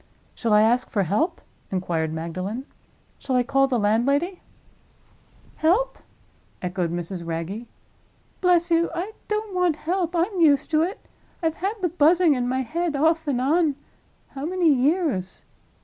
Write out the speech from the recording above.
"Shall I ask for help?" inquired Magdalen. "Shall I call the landlady?" "Help?" echoed Mrs. Wragge. "Bless you, I don't want help! I'm used to it. I've had the Buzzing in my head, off and on—how many years?"